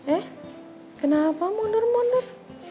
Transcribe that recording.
eh kenapa mundur mundur